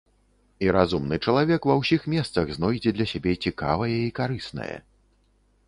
І разумны чалавек ва ўсіх месцах знойдзе для сябе цікавае і карыснае.